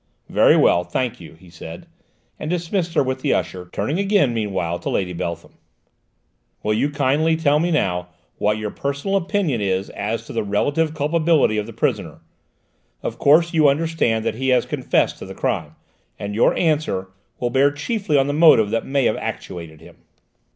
"Very well; thank you," he said, and dismissed her with the usher, turning again meanwhile to Lady Beltham. "Will you kindly tell me now what your personal opinion is as to the relative culpability of the prisoner? Of course you understand that he has confessed to the crime, and your answer will bear chiefly on the motive that may have actuated him."